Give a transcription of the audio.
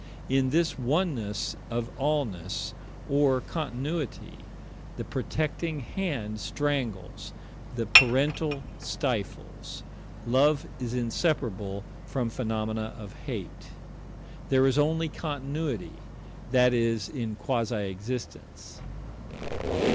In this oneness of allness, or continuity, the protecting hand strangles; the parental stifles; love is inseparable from phenomena of hate. There is only Continuity that is in quasi existence.